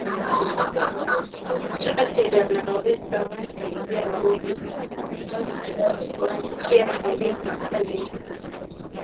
chache yanaweza kusaidia wagonjwa kwa kuwafanya wasisikie maumivu makali mno